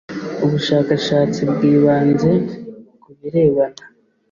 ubushakashatsi bwibanze ku birebana